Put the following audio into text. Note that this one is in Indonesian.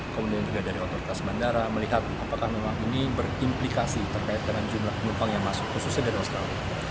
kemudian juga dari otoritas bandara melihat apakah memang ini berimplikasi terkait dengan jumlah penumpang yang masuk khususnya dari australia